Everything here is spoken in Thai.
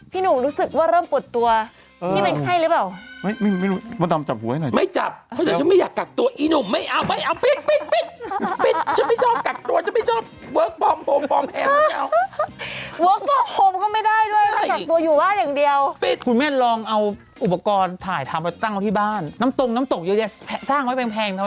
พี่หนุ่มปวดตัวแล้วเนี่ยคุณประตำห่วงผม